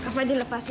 kak fadil lepasin